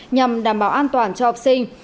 nhằm đảm bảo an toàn cho học sinh